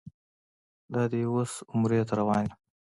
دادی اوس عمرې ته روان یم.